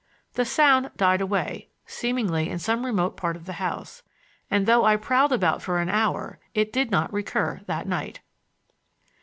The sound died away, seemingly in some remote part of the house, and though I prowled about for an hour it did not recur that night.